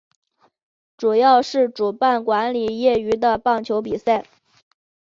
主要是主办管理业余的棒球比赛。